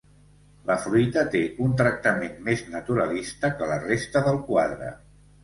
La fruita té un tractament més naturalista que la resta del quadre.